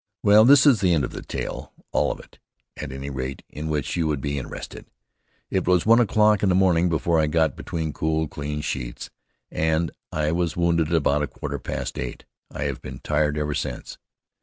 Well, this is the end of the tale; all of it, at any rate, in which you would be interested. It was one o'clock in the morning before I got between cool, clean sheets, and I was wounded about a quarter past eight. I have been tired ever since.